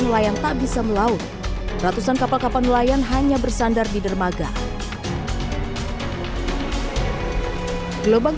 nelayan tak bisa melaut ratusan kapal kapal nelayan hanya bersandar di dermaga gelombang